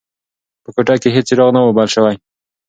په کوټه کې هیڅ څراغ نه و بل شوی.